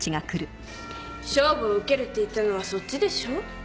勝負を受けるって言ったのはそっちでしょ？